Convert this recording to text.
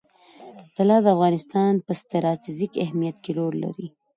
طلا د افغانستان په ستراتیژیک اهمیت کې رول لري.